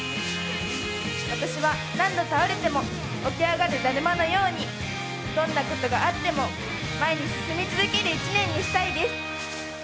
私は何度倒れても起き上がるだるまのようにどんなことがあっても前に進み続ける１年にしたいです。